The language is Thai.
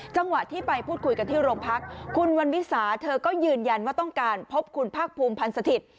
จังหวะที่ไปพูดคุยกันที่โรงพักคุณวันวิสาเธอก็ยืนยันว่าต้องการพบคุณภาคภูมิพันธ์สถิตย์